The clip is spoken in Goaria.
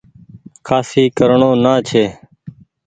کآسي ڪرڻو نآ ڇي ۔